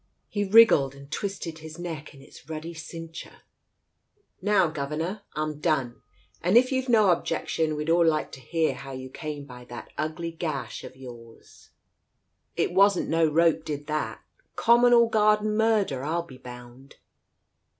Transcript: He wriggled and twisted his neck in its ruddy cinc ture. ... "Now, governor, I'm done, and if you've no objection we'd all like to hear how you came by that ugly gash of Digitized by Google THE COACH 147 yours? It wasn't no rope did that. Common or garden murder, I'll be bound."